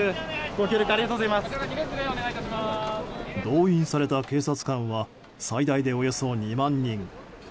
動員された警察官は最大でおよそ２万人。